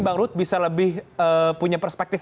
bang ruth bisa lebih punya perspektif